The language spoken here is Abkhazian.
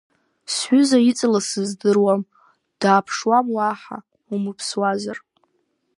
Сҩыза иҵалаз сыздыруам, дааԥшуам уаҳа умыԥсуазар…